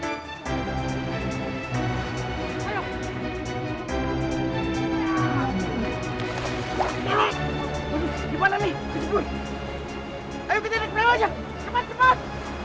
ayo kita naik belakang aja cepat cepat